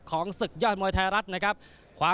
ศึกยอดมวยไทยรัฐนะครับคว้า